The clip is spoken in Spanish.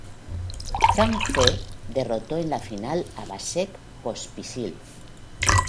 Zhang Ze derrotó en la final a Vasek Pospisil.